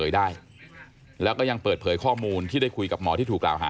ร้องร้องร้องร้องร้องร้อง